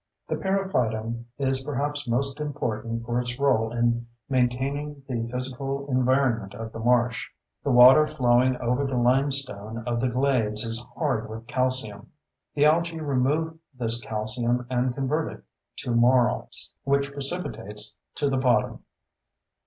The periphyton is perhaps most important for its role in maintaining the physical environment of the marsh. The water flowing over the limestone of the glades is hard with calcium. The algae remove this calcium and convert it to marl (see glossary), which precipitates to the bottom.